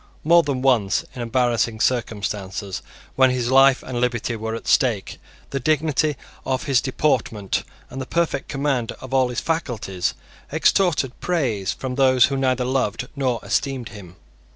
More than once, in embarrassing circumstances, when his life and liberty were at stake, the dignity of his deportment and his perfect command of all his faculties extorted praise from those who neither loved nor esteemed him.